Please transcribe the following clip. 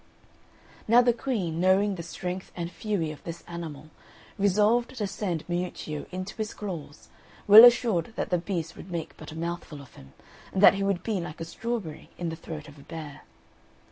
Now the Queen, knowing the strength and fury of this animal, resolved to send Miuccio into his claws, well assured that the beast would make but a mouthful of him, and that he would be like a strawberry in the throat of a bear.